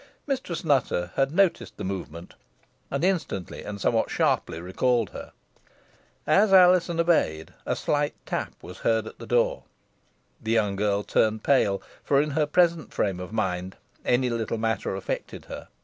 Mistress Nutter had noticed the movement, and instantly and somewhat sharply recalled her. As Alizon obeyed, a slight tap was heard at the door. The young girl turned pale, for in her present frame of mind any little matter affected her.